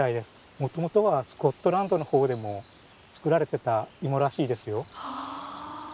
もともとはスコットランドの方でも作られてたいもらしいですよ。